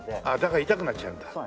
ああだから痛くなっちゃうんだ。